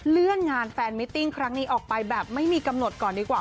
เลื่อนงานแฟนมิติ้งครั้งนี้ออกไปแบบไม่มีกำหนดก่อนดีกว่า